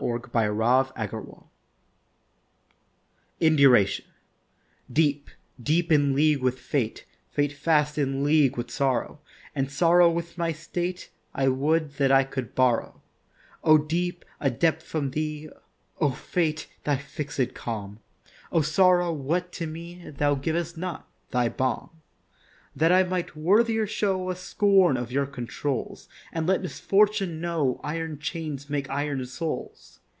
IV INDURATION Deep, deep in league with Fate, Fate fast in league with Sorrow, And Sorrow with my state, I would that I could borrow, O Deep, a depth from thee, O Fate, thy fixèd calm, O Sorrow, what to me Thou givest not, thy balm; That I might worthier show A scorn of your controls, And let Misfortune know Iron chains make iron souls.